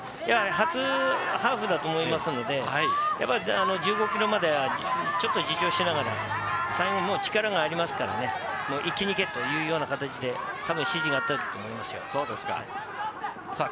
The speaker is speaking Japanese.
初ハーフだと思いますので、１５ｋｍまではちょっと、最後は力がありますから、一気に行け！というような形でたぶん指示があったと思いますよ。